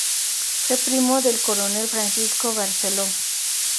Fue primo del coronel Francisco Barceló.